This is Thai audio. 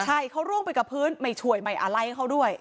ใช่เขาร่วงไปกับพื้นไม่ช่วยไม่อะไรเขาด้วย